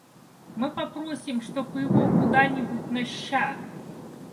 Мы попросим, чтоб его куда-нибудь на Ща!